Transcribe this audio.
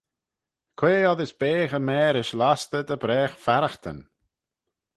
Quoi oddys beaghey mârish lostey dy bragh farraghtyn?